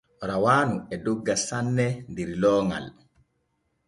Rawaanu e dogga sanne der looŋal.